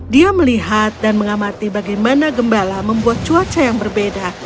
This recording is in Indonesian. dia melihat dan mengamati bagaimana gembala membuat cuaca yang berbeda